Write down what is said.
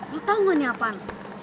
lo tau gak nih apaan